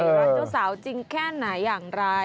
รักเจ้าสาวจริงแค่ไหนอย่างไร